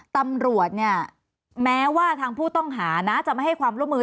ตำรวจเนี่ยแม้ว่าทางผู้ต้องหานะจะไม่ให้ความร่วมมือ